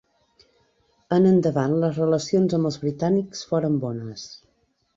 En endavant les relacions amb els britànics foren bones.